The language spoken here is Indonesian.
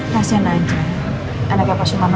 kasian aja anaknya pak sumaro